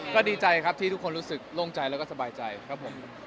ก็ดีใจครับที่ทุกคนรู้สึกโล่งใจแล้วก็สบายใจครับผม